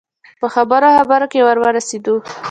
په خبرو خبرو کې ور ورسېدو.